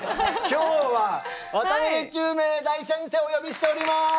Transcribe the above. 今日は渡辺宙明大先生をお呼びしております！